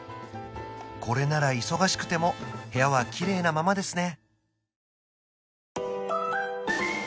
これなら忙しくても部屋はキレイなままですね